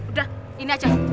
udah ini aja